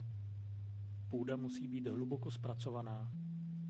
Půda musí být hluboko zpracovaná.